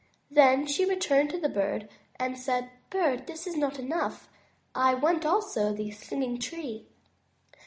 Then she returned to the Bird and said: "Bird, this is not enough, I want also the Singing Tree."